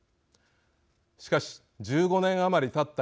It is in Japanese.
しかし１５年余りたった